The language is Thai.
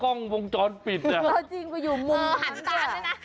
กล้องวงจรปิดเนี่ยเออจริงไปอยู่มุมหันตาด้วยนะ